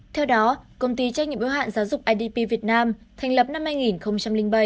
theo đó công ty trách nhiệm yếu hạn giáo dục idp việt nam thành lập năm hai nghìn bảy